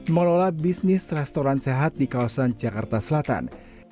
mengelola bisnis restoran sehat di kawasan jakarta selatan